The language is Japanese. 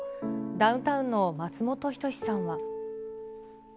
ダウンタウンの松本人志さんは。